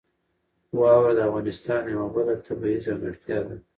واوره د افغانستان یوه بله طبیعي ځانګړتیا ده.